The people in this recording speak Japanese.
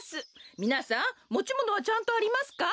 みなさんもちものはちゃんとありますか？